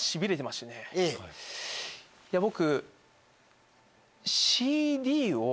いや僕。